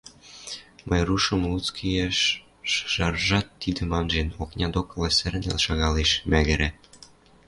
Майрушын луцкы иӓш шыжаржат, тидӹм анжен, окня докыла сӓрнӓл шагалеш, мӓгӹрӓ.